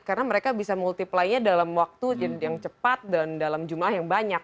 karena mereka bisa multiplainya dalam waktu yang cepat dan dalam jumlah yang banyak